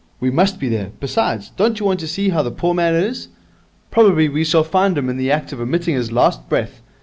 We must be there; besides, don't you want to see how the poor man is? Probably we shall find him in the act of emitting his last breath.